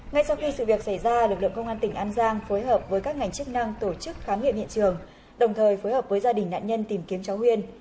ngay sau khi sự việc xảy ra lực lượng công an tỉnh an giang phối hợp với các ngành chức năng tổ chức khám nghiệm hiện trường đồng thời phối hợp với gia đình nạn nhân tìm kiếm cháu huyên